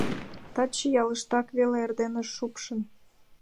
Таче ялыштак веле эрдене шупшын.